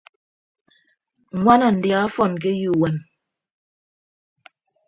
Ññwana ndia ọfọn ke eyo uwem.